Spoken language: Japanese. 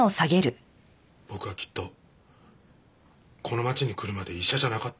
僕はきっとこの町に来るまで医者じゃなかった。